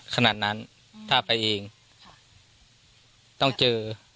ขนาดนั้นถ้าไปเองต้องเจอ